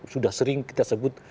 sudah sering kita sebut